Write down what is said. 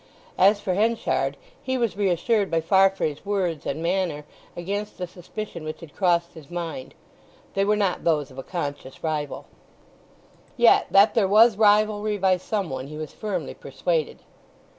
As for Henchard, he was reassured by Farfrae's words and manner against a suspicion which had crossed his mind. They were not those of a conscious rival. Yet that there was rivalry by some one he was firmly persuaded.